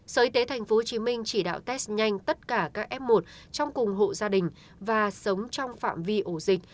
sở y tế tp hcm chỉ đạo test nhanh tất cả các f một trong cùng hộ gia đình và sống trong phạm vi ổ dịch